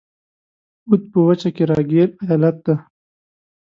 اَوَد په وچه کې را ګیر ایالت شو.